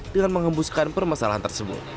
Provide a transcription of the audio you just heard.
dengan mengembuskan permasalahan tersebut